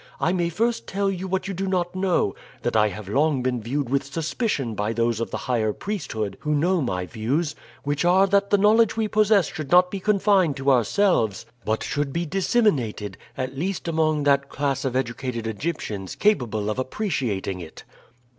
I may first tell you what you do not know, that I have long been viewed with suspicion by those of the higher priesthood who know my views, which are that the knowledge we possess should not be confined to ourselves, but should be disseminated, at least among that class of educated Egyptians capable of appreciating it.